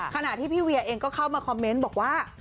ขณะที่พี่เวียเองก็เข้ามาคอมเมนต์บอกว่า